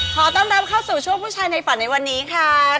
ขอต้อนรับเข้าสู่ช่วงผู้ชายในฝันในวันนี้ค่ะ